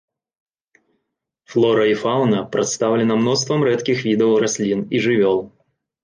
Флора і фаўна прадстаўлена мноствам рэдкіх відаў раслін і жывёл.